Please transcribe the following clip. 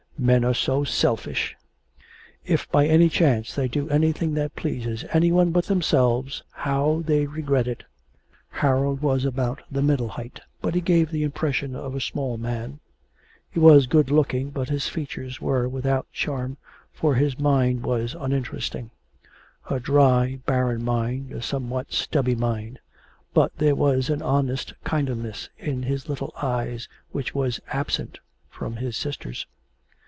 'Men are so selfish! If by any chance they do anything that pleases any one but themselves, how they regret it.' Harold was about the middle height, but he gave the impression of a small man. He was good looking; but his features were without charm, for his mind was uninteresting a dry, barren mind, a somewhat stubbly mind but there was an honest kindliness in his little eyes which was absent from his sister's.